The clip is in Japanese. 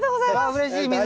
あうれしい水。